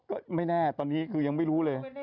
ก็ไม่แน่ตอนนี้คือยังไม่รู้เลย